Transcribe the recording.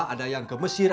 ada yang ke mesir